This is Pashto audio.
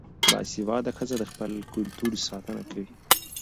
باسواده ښځې د خپل کلتور ساتنه کوي.